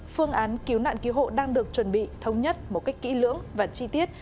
phương án cứu nạn cứu hộ đang được chuẩn bị thống nhất một cách kỹ lưỡng và chi tiết